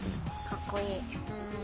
かっこいい。